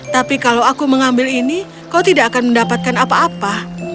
tapi kalau aku mengambil ini kau tidak akan mendapatkan apa apa